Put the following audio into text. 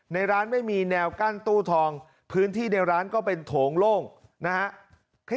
ในร้านไม่มีแนวกั้นตู้ทองพื้นที่ในร้านก็เป็นโถงโล่งนะฮะ